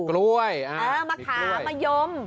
กล้วยมะขามมะยม